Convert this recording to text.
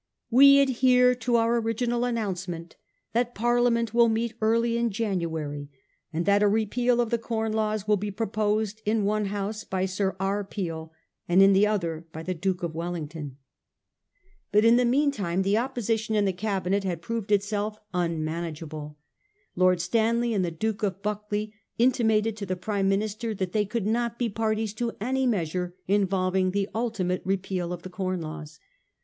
' We adhere to our original announcement that Parliament will meet early in January, and that a repeal of the Corn Laws will be proposed in one House by Sir R. Peel, and in the other by the Duke of Wellington.' But in the mean B B 2 372 A HISTORY OF OUR OWN TIMES, CH. XV. time the opposition in the Cabinet had proved itself unmanageable. Lord Stanley and the Duke of Buc cleuch intimated to the Prime Minister that they could not be parties to any measure involving the ultimate repeal of the Corn Laws.